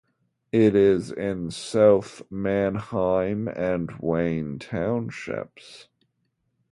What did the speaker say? It is in South Manheim and Wayne Townships.